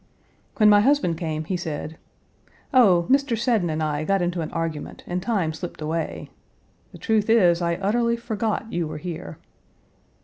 When my husband came he said: "Oh, Mr. Seddon and I got into an argument, and time slipped away! The truth is, I utterly forgot you were here."